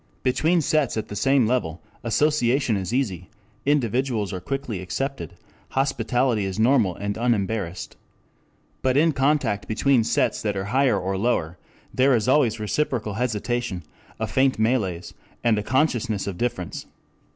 Between sets at the same level, association is easy, individuals are quickly accepted, hospitality is normal and unembarrassed. But in contact between sets that are "higher" or "lower," there is always reciprocal hesitation, a faint malaise, and a consciousness of difference.